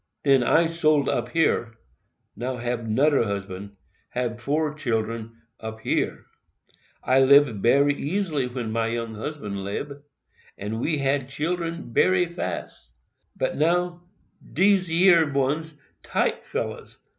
Den I sold up here—now hab 'noder husband—hab four children up here. I lib bery easy when my young husband 'libe—and we had children bery fast. But now dese yer ones tight fellers.